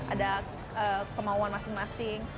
ada kemauan masing masing